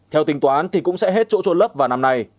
theo tính toán thì cũng sẽ hết chỗ trôn lấp vào năm nay